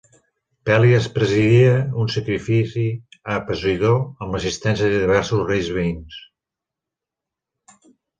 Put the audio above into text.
Pelias presidia un sacrifici a Posidó amb l'assistència de diversos reis veïns.